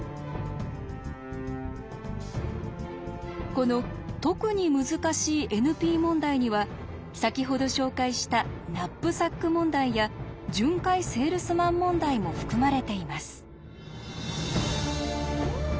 この特に難しいＮＰ問題には先ほど紹介したナップサック問題や巡回セールスマン問題も含まれています。